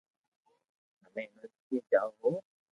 ھمي يونيورسٽي جاو ھون